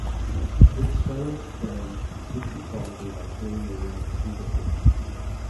This feminist trend seeks equality by claiming the right to be different.